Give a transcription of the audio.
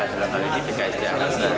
dalam hal ini tinggal hijau